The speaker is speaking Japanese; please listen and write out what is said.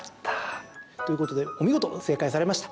ということでお見事正解されました。